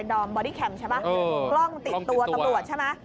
กล้องติดตัวตำรวจใช่แมะ